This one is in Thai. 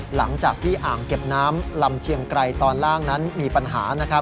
หลังจากที่อ่างเก็บน้ำลำเชียงไกรตอนล่างนั้นมีปัญหานะครับ